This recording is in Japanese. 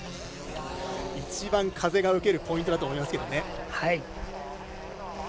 一番、風を受けるポイントだと思いますけどね。